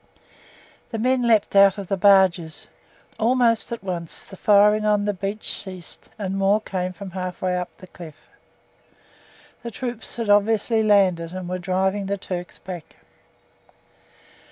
The men leaped out of the barges almost at once the firing on the beach ceased, and more came from halfway up the cliff. The troops had obviously landed, and were driving the Turks back.